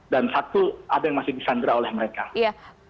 dan satu ada yang masih disandara oleh mereka